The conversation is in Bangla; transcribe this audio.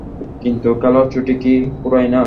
কিন্তু খেলার ছুটি কি ফুরায় না।